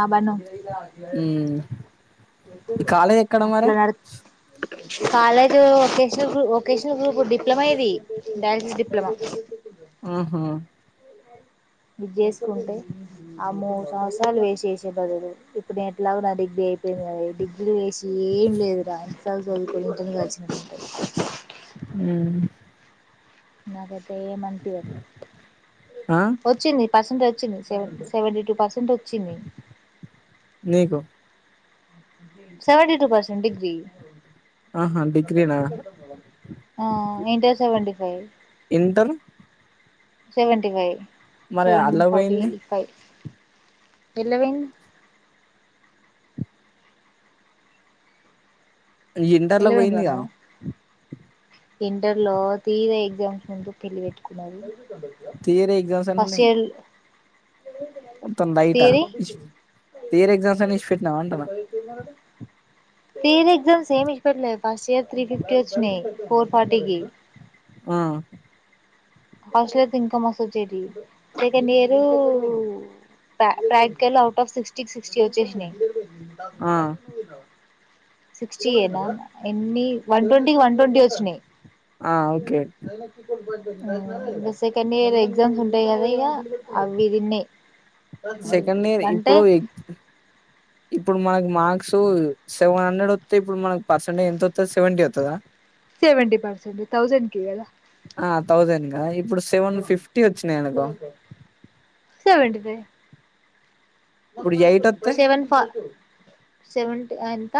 ఆ బన్ను ఉమ్ కాలేజ్ ఎక్కడ మరి అట్లా న college vocational vocational group diploma ఇది డ్యాన్సెస్ డిప్లొమా ఉహూ విజేశ్వర ఉంటాయి ఆ మూడు సంవత్సరాలు వేస్ట్ చేసే బదులు ఇప్పుడు నే ఎట్లాగ నా డిగ్రీ అయిపోయింది కదా డిగ్రీ చేసి ఏం లేదు రా అస్సలు చదువుకు ఇంటిని గలిచ్చినట్టుంటంది ఉమ్ నాకైతే ఏమనిపియ్యట్లే ఆ వచ్చింది పర్సంటేజ్ చ్చింది సెవెంటీ టూ పర్సెంట్ వచ్చింది నీకు సెవెంటీ టూ పర్సెంట్ డిగ్రీ ఆహా డిగ్రీనా ఆ ఇంటర్ సెవెంటీ ఫైవ్ టార్ సెవెంటీ ఫైవ్ సెవెన్ ఫార్టీ పోయింది ఫైవ్ ఎట్ల పోయినాయి ఇంటర్లో ఎట్ల పోయింది పోయిందిగా బను ఇంటర్ లో థియరీ ఎగ్జామ్స్ ముందు పెళ్లి పెట్టుకున్నారు థియరీ ఎగ్జామ్స్ అన్ని ఫస్ట్ యియర్లో మొత్తం లైటా థియరీ థియరీ ఎగ్జామ్స్ అన్ని ఇడిచిపెట్టినావా అంటున్నా థియరీ ఎగ్జామ్ ఏం విడిచిపేట్లే ఫస్ట్ ఇయర్ త్రీ ఫిఫ్టీ వచ్చినాయి ఫోర్ ఫార్టికి ఉమ్ ఫస్ట్ ఇయర్ అయితే ఇంకా మస్తు వచ్చేటివి second year practical out of సిక్స్టీకి సిక్స్టీ వచ్చేసినాయి ఆ సిక్స్టీఏనా ఎన్ని వన్ ట్వంటీకి వన్ ట్వంటీ వచ్చినాయి ఆ ఓకే ఉమ్ ఇగ సెకండ్ ఇయర్ ఎగ్జామ్స్ ఉంటాయి కదా ఇక అవి తిన్నాయి సెకండ్ ఇయర్ అంటే ఇప్పుడు ఏ ఇప్పుడు మనకి మార్క్స్ సెవెన్ హండ్రెడ్ వత్తే ఇప్పుడు మనకి పర్సంటేజ్ ఎంత వత్తది సెవెంటీ అవుతదా సెవెంటీ పర్సెంట్ తౌసెండ్ కి కదా ఆ థౌజండ్ గా ఇప్పుడు సెవెన్ ఫిఫ్టీ వచ్చినాయినకో రే ఇప్పుడు ఎయిట్ వత్తే సెవెన్ ఫ సెవెన్ టి ఎంత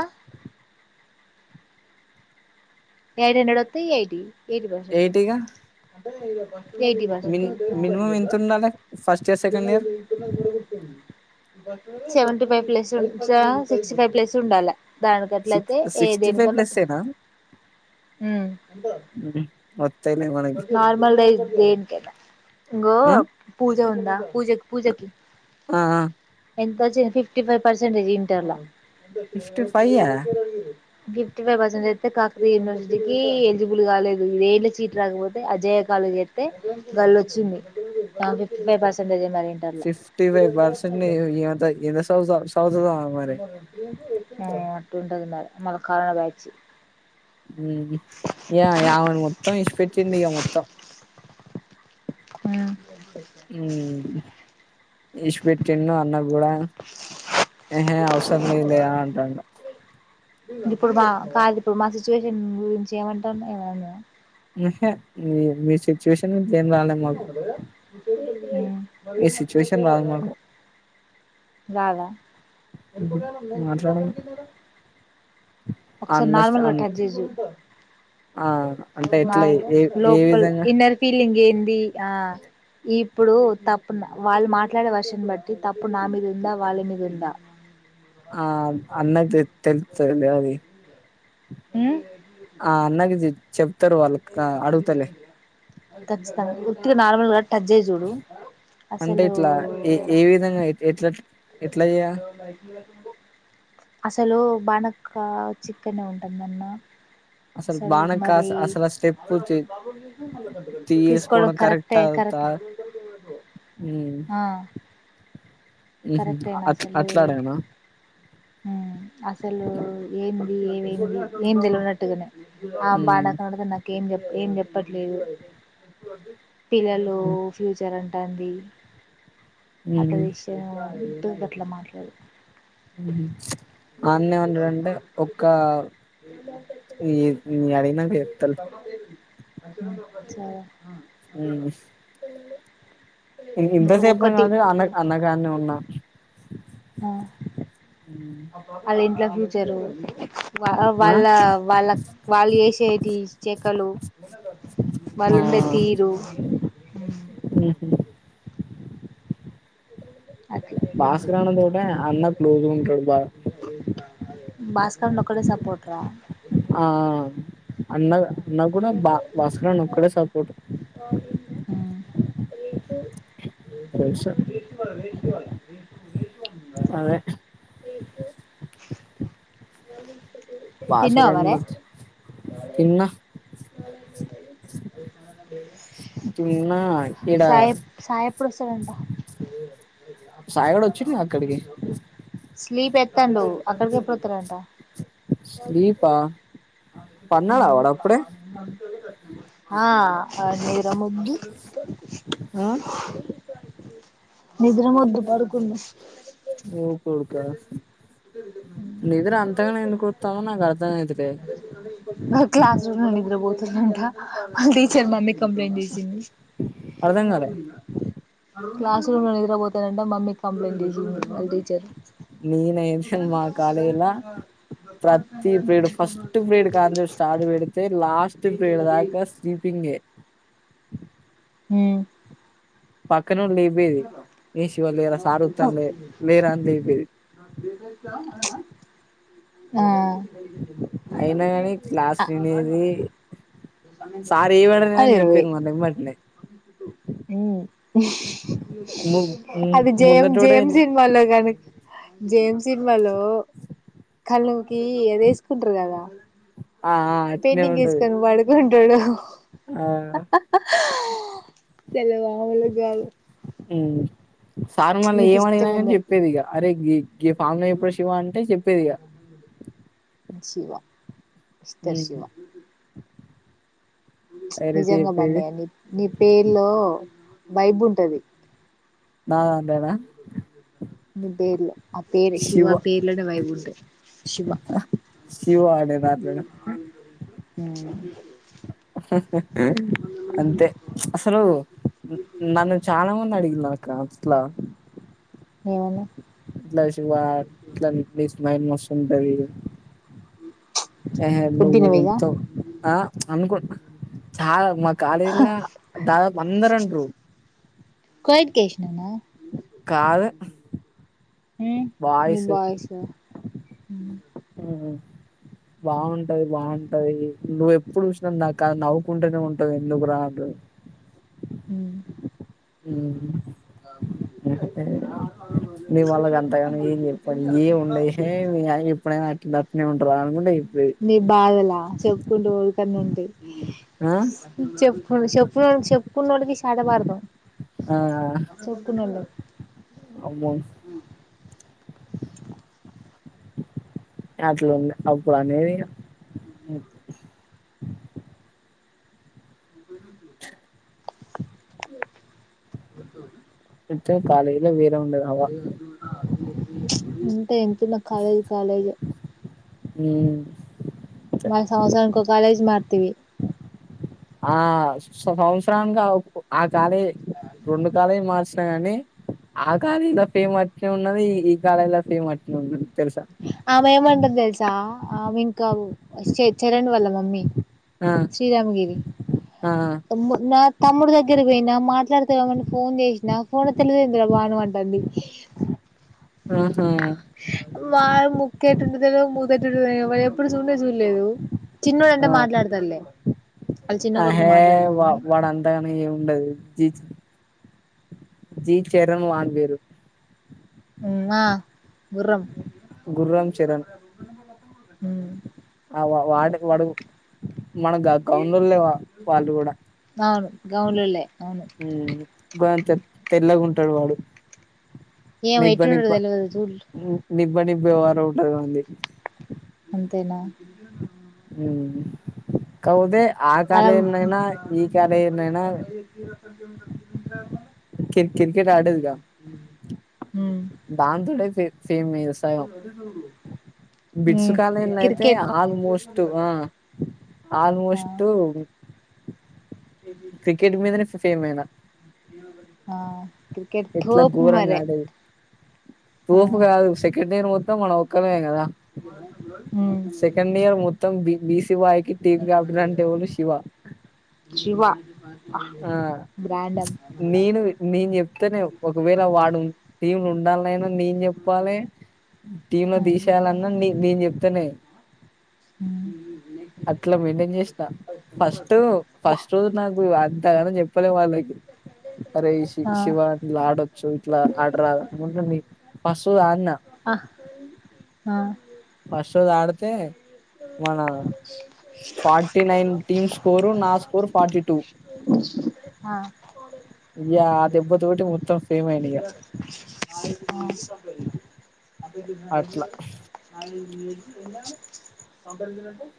ఎయిట్ హండ్రెడ్ వత్తే ఎయిటి ఎయిటి పర్సెంట్ ఎయిటీగా ఎయిటి పర్సెంట్ మిన్ అయుతుంది ఉమ్ మినిమం ఎంత ఉండాలి first year second year seventy five plus ఆ సిక్స్టీ ఫైవ్ ప్లస్ ఉండాలా సిక్స్ దానీకట్లయితే ఏ దేనికన్న ఉహూ వత్తే నార్మల్ ది అయితే దేనిక ఇంగ ఆ పూజ ఉందా పూజకు పూజకి ఆ ఎంత వచ్చింది ఫిఫ్టీ ఫైవ్ పర్సెంటేజ్ ఇంటర్లో fifty five yeah fifty five percent అయితే కాక్వీ యూనివర్సిటీకి ఎలిజిబుల్ కాలేదు ఇదేళ్ళ సీట్ రాకపోతే అజయ వాళ్లక్ చెప్తే వాళ్లు వచ్చిండు [unintelligible] fifty percent fifty five percent ఏంత ఎంతౌ సౌస మరి ఆ అటుంటది మరి మన కారోనా బ్యాచి ఇక యామెను మొత్తం ఇసి పెెట్టిండి ఇక మొత్తం అబా ఇడ్సిపెట్టిన్ను అన్న కూడ హే అవసరం లేదు లేదా అంటాను ఇప్పుడు బా కాదు ఇప్పుడు మా సిచ్యువేషన్ గురించి ఏమంటుందో ఏమో యహె మీ సిచ్యుేషన్ ఇంకెం రాాల మాకు [inaudible] మీ సిచ్యువేషన్ రాదు మాకు రాద మాట్లాడము ఒక సారి అన్న నార్మల్గ అన్న టచ్ చేస్ చూడ ఆ అంటే ఎట్లా ఏ ఏ లోపల్ విధంగా ఇన్నర్ ఫీలింగ్ ఏంది ఆ ఇప్పుడు తప్పు వాళ్ళు మాట్లాడే వర్షన్ బట్టి తప్పు నా మీద ఉందా వాళ్ళ మీద ఉందా అ ఆ అన్నది తెలుస్తదిలే అది ఉమ్ ఆ అన్నకి చెప్తారు వాళ్ ఆ అడుగుతలే కచ్చితంగా ఉట్టిగ నార్మల్గ టచ్ చేసి చూడు అంటే అసలు ఇట్లా ఏ ఏ విధంగా ఎట్ల ఎట్లా చేయా అసలు బానక్క వచ్చి ఇక్కన్నే ఉంటుందన్న అసలు బానే కాస్ మరీ అసలు ఆ స్టెప్పు తీస్కోవడం కరెక్టే కరెక్ట్ ఉమ్ కరెక్టేన అసలూ అట్లా అడగనా అసలూ ఏంది ఏమైంది ఏమి తెలువనట్టుగానే ఆ బాడుకవులకు నాకు ఏం చెప్ ఏ చెప్ ప్పట్లేదు పిల్లలూ ఫ్యూచర్ అంటాంది మ్ తుంగట్ల మాట్లాడు ఆన్నె వండుటే ఒక్క ని నేను అడిగినాక చెప్తాలే సరే ఉహ్ నేను ఇంతసేపటి ఒకటి గాదె అన్న అన్న కాన్నే ఉన్నా హ్మ్. అ అది ఇంట్లో ఫ్యూచరు వా ఆ వాళ్ళ వాళ్ళ వాళ్ళు చేసేటి చే కలు వాళ్ళుండే తీరు ఊహు అట్లా భాస్కరాన్న తోటే అన్న క్లోజ్ గా ఉంటాడు బాగా భాస్కరన్న ఒక్కడే సపోర్ట్ రా ఆ అన్న అన్న కూడా బా భాస్కరాన్న ఒక్కడే సపోర్ట్ తెలుసు వేసుకోల వేసుకోవాలి అవె తిన్నావా బాస్కరన్నా మరే వచ్చి తిన్నా తిన్నా ఈడ సాయి సాయి ఎప్పుడొస్తాడంట సాయి గాడు వచ్చిండు అక్కడికి స్లీప్ ఎత్తాండు అక్కడకి ఎప్పుడస్తాడంట స్లీపా పన్నాడా వాడు అప్పుడే [unintelligible] ఆ ఆ నిద్రమొద్దు ఆ నిద్రమొద్దు పడుకుం ఓ కొడుకా నిద్ర అంతగానం ఎందుకు వత్తాందో నాకు అర్థం అయితలేదు మ క్లాస్ రూమ్ నిద్రపోతుందంట టీచర్ మమ్మీ కీ కంప్లైంట్ చేసింది అర్థం కాలే క్లా రూమ్ లో నిద్రపోతదంట మమ్మీ కంప్లైంట్ చేసింది వాళ్ళ టీచర్ నేనైతే మా కాలేజీ లా ప్రతి ఫస్ట్ ప్రేడ్ కాన్చోలి స్టార్ట్ పెడితే లాస్ట్ ప్రేడ్ దాకా స్లీపింగే హు ఎక్క ను లేపేది ఏ శివ లేరా సార్ చూస్తాండు లే లేరా అని లేపేది ఆ అయినా కాని క్లాస్ మ వినేది సార్ ఏమనడు అ అని చెప్పేది మళ్ళ ఎమ్మటనే [unintelligible] ము ము అది జయం ముందటోడే జయంమ్ సినిమాలో జేమ్ సినిమాలో కళ అది వేసుకుంటారు కదా ఆ ఆ అట్నే ఉంటది ఆ [unintelligible] [unintelligible] హు సార్ మళ్ళీ నీకు ఏమ అడిగిన ఇష్టమైన కాని చెప్పేది ఇక అరే ఫామ్ ఎప్పుడడు శివ అంటే చెప్పేది ఇగ శివ మిష్టర్ ఉమ్ శివ డైరెక్ట్ నిజంగా చెప్పేది [unintelligible] నీ పేర్లో వైబ్ ఉంటది అ అందేనా పేరి అ పేరు శివ అ పేరిలునే వైబు ఉం [unintelligible] శివ అనే [unintelligible] హు అంతే అసలు నన్న చాలామంది అడిగ [unintelligible] ఏమని ఇట్లా శివ [unintelligible] మస్తు ఉంటది పొద్దినవ ఇగ [unintelligible] కాలేజ్ లో దాదాపు అందరు అంటారు నిన్న కాదు మీ వాయిస్ బాయ్స్ బాగుంటది బాగుంటది నువ్ప్పుడు చూసినా నాకు అ నవ్వుకుంటేనే ఉంటది ఎందుకు రాదు హు హు మీ వాళ్ళకి అంతగానం [unintelligible] ఇప్పుడై అట్లా అట్నే ఉంటరా [unintelligible] నీ బాధలా చెప్పుకుంటూ రికని ఉంట ఆ చెప్పుకు చెప్పు చెప్పుకున్న వాటికి [unintelligible] [unintelligible] అవుమ అట్లు ఉంది అప్పుడు అనేదిగా ఇచ్చే కాలలా వేర ఉండదవా ప్చ్ ఇంతే ఎంతున్నా కాలేజ్ కాలేజే హ్మ్ బా సంవత్సరానికి ఒక కాలేజ్ మారుత్తివి ఆ సంవత్సరానికి కా ఆ కాలే రెండు కాలే మార్చి కాని ఆ కాలేలో ఫేమ్ అట్నే ఉన్నది ఈ కాలే లో ఫేమ్ అట్నే ఉన్నది తెలుసా ఆమె ఏమంటది తెలుసా ఆమె ఇంకా చరణ్ వాళ్ల మమ్మీ ఆ శ్రీరామగిరి ఆ తమ్ నా తమ్ముడు దగ్గర పోయినా మాట్లాడతవేమోనని ఫోన్ చేసినా ఫోన్ ఎత్తలేదేందిరా బా నువ్వు అంటంది ఆహా మా ముక్కే [unintelligible] మొదటోడు ఎప్పుడు చూనే చూడలేదు చిన్నోడు అంటే ఆ మాట్లాడతాడులే వాళ్ళ చిన్న కొడుకు అహే మాట్లాడతాడు వా కానీ వాడంతాగాని ఏమి ఉండదు జీ జీ చేరం వన్ వేరు హ్మ్ ఆ గుర్రం గుర్రం చరణ్ ఆ వా వాడు వాడు మన [unintelligible] లేవా వాళ్ళు కూడా అవును గౌన్లులే అవును గంతేతెల్లగా ఉంటాడు వాడు ఏమో నిబ్బ ఎట్టుంటడో నిబ్బ తెలిదు చూల్ నిబ్బ నిబ్బే వారు ఉంటది అంది అంతేనా హ్మ్ కాపోతే ఆ క్రి క్రికెట్ ఆడేదిగా మ్మ్ దానితోనే సే సేమ్ వ్యవసాయం బిడ్సు మ్మ్ కాలన్ అయితే క్రికెట్ ఆల్మోస్ట్ ఆ ఆ ఆల్మోస్టు క్రికెట్ మీదనే ఫేమ్ అయినా ఆ క్రికెట్ తోపు మరి తోపు కాదు సెకండ్ ఇయర్ మొత్తం మనం ఒక్కళమే కదా హ్మ్ సెకండ్ ఇయర్ మొత్తం బిసి బాయ్ కి టీమ్ క్యాప్టెన్ అంటే ఎవలు శివ శివ ఆ బ్రాండం నేను నేను చెప్తేనే ఒకవేళ వాడు టీములు ఉండాలైనా నేను చెప్ చెప్పాలి టీమ్ లో ఆ తీసేయాలన్నా న నేను చెప్తేనే ఆ అట్లా మెయింటైన్ చేసిన ఫస్ట్ బా. ఫస్ట్ రోజు నాకు అంతగాన చెప్ ప్పిన వాళ్ళకి అరేయ్ ఆ శివా ఇట్లా ఆడొచ్చు ఇట్లా ఆడరా మీ ఫస్టు ఆడినా ఆ ఆ ఫస్ట్ రోజు ఆడితే మన ఫార్టీ నైన్ టీమ్ స్కోరు నా స్కోర్ ఫార్టీ టూ ఆ ఇగ ఆ దెబ్బతోటి మొత్తం ఫేమ్ అయిన ఇగ అే దఫ అట్ల ఎను సంందరంట